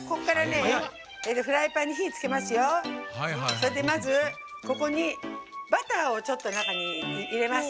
それでまずここにバターをちょっとなかにいれます。